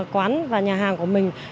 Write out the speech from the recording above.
quán và nhà hàng của mình